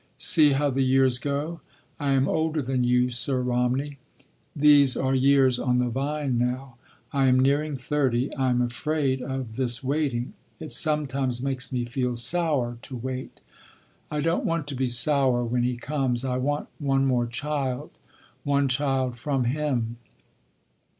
See how the years go. I am older than you, Sir Romney. These are years on the vine now. I am nearing thirty. I am afraid of this waiting. It sometimes makes me feel sour to wait. I don’t want to be sour when he comes. I want one more child—one child from him.